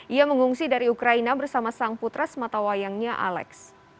ia mengungsi dari ukraina bersama sang putres matawayangnya alex